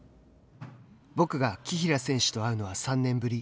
僕が紀平選手と会うのは３年ぶり。